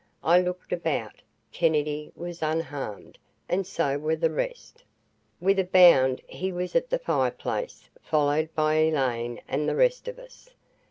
I looked about. Kennedy was unharmed, and so were the rest. With a bound he was at the fireplace, followed by Elaine and the rest of us.